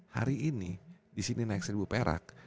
hari ini disini naik seribu perak